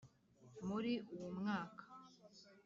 muri uwo mwaka